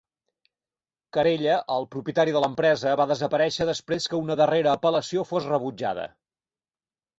Carella, el propietari de l'empresa, va desaparèixer després que una darrera apel·lació fos rebutjada.